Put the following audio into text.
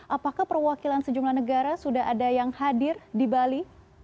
apakah perwakilan sejumlah negara sudah ada yang hadir di bali